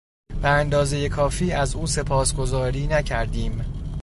به اندازهی کافی از او سپاسگزاری نکردیم.